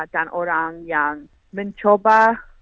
dan orang yang mencoba